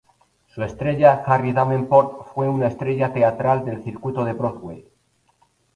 Su padre, Harry Davenport, fue una estrella teatral del circuito de Broadway.